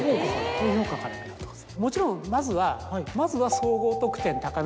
もちろんまずは。